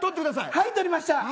はい、取りました。